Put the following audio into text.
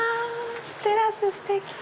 テラスステキ！